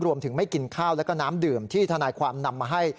ไม่กินข้าวแล้วก็น้ำดื่มที่ทนายความนำมาให้